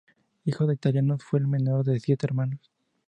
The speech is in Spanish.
Hijo de italianos, fue el menor de siete hermanos.